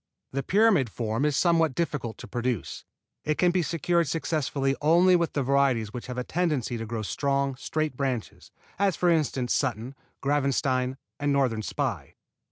The pyramid form is somewhat difficult to produce. It can be secured successfully only with the varieties which have a tendency to grow strong, straight branches, as for instance Sutton, Gravenstein and Northern Spy.